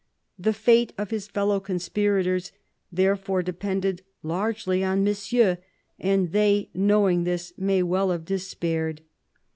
The fate of his fellow conspirators therefore depended largely on Monsieur ; and they, knowing this, may well have despaired.